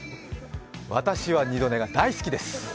私は二度寝が大好きです！